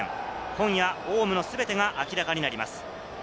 今夜、オウムの全てが明らかになります。